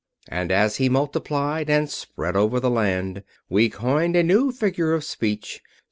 And as he multiplied and spread over the land we coined a new figure of speech.